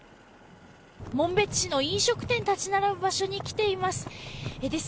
紋別市の飲食店が立ち並ぶ場所に来ています。